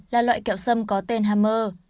là loại kẹo xâm có tên hammer